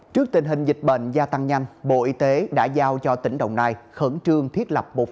trước tình hình dịch bệnh gia tăng nhanh bộ y tế đã giao cho tỉnh đồng nai khẩn trương thiết lập một